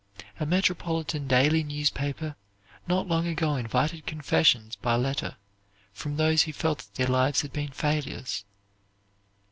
A metropolitan daily newspaper not long ago invited confessions by letter from those who felt that their lives had been failures.